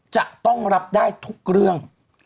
จะต้องรับได้ทุกเรื่อง